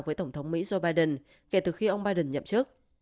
với tổng thống mỹ joe biden kể từ khi ông biden nhậm chức